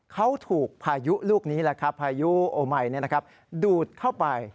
เขาถูกพายุลูกนี้พายุโอไมดูดเข้าไป